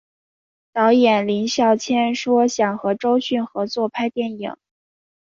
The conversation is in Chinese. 导演林孝谦说想和周迅合作拍电影。